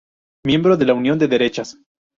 Miembro de la Unión de Derechas.